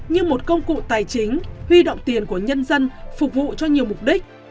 như một công cụ tài chính huy động tiền của nhân dân phục vụ cho nhiều mục đích